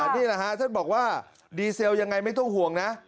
นี่แหละฮะท่านบอกว่าดีเซลยังไงไม่ต้องห่วงนะ